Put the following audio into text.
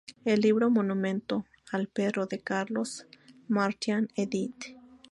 El Libro Monumento al Perro, de Carlos Martian, edit.